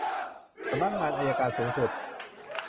สำนักงานอัยการสูงสุด